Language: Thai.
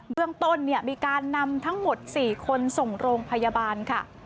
เรื่องต้นมีการนำทั้งหมด๔คนส่งโรงพยาบาลค่ะ